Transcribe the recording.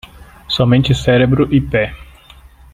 Somente cérebro e pé